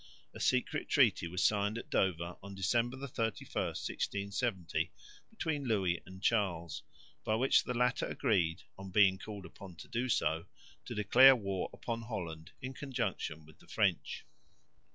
A secret treaty was signed at Dover on December 31, 1670, between Louis and Charles, by which the latter agreed, on being called upon to do so, to declare war upon Holland in conjunction with the French.